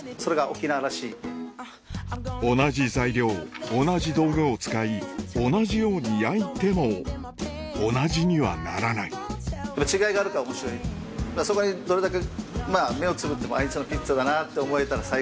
同じ材料同じ道具を使い同じように焼いても同じにはならないそこにどれだけ。